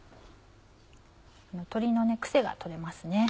鶏の癖が取れますね。